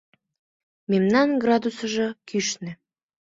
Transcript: — Мемнан градусыжо кӱшнӧ.